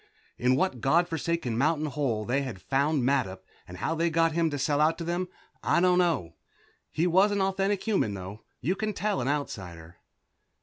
In what god forsaken mountain hole they had found Mattup, and how they got him to sell out to them, I don't know. He was an authentic human, though. You can tell an Outsider.